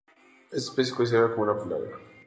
Esta especie es considerada como una Plaga.